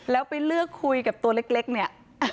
แล้วไปเลือกคุยกับตัวเล็กเนี่ย